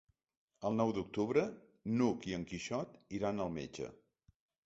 El nou d'octubre n'Hug i en Quixot iran al metge.